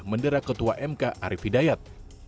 mendera ketua m k arief hidayat